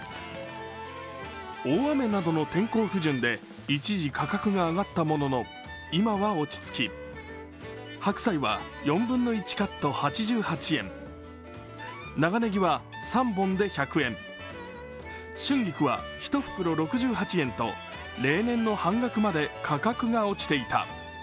大雨などの天候不順で一時価格が上がったものの今は落ち着き、白菜は４分の１カット８８円、長ねぎは３本で１００円春菊は一袋６８円と例年の半額まで価格が落ちていた。